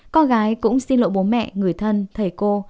có gái cũng xin lỗi bố mẹ người thân thầy cô